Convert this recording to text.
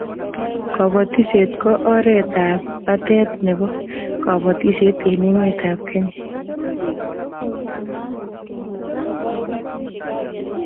Kobotisiet ko oretap batet nebo kobotisiet eng emetab Kenya